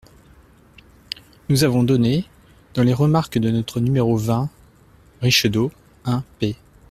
Nous avons donné, dans les remarques de notre nº vingt, _Richedeau_ (un, p.